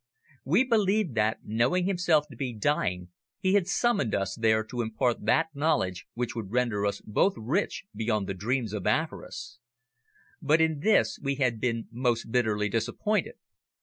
We believed that, knowing himself to be dying, he had summoned us there to impart that knowledge which would render us both rich beyond the dreams of avarice. But in this we had been most bitterly disappointed.